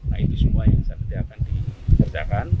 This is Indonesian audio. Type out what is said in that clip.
nah itu semua yang saya beri akan dikerjakan